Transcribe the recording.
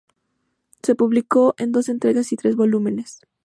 Se publicó en dos entregas y tres volúmenes.